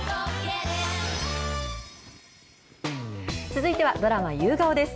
続いては、ドラマ、夕顔です。